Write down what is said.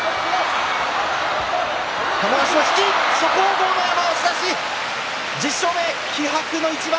豪ノ山、押し出し、１０勝目気迫の一番。